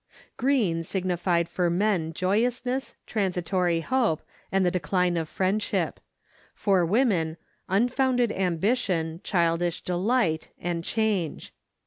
Green signified for men joyousness, transitory hope, and the decline of friendship; for women, unfounded ambition, childish delight, and change.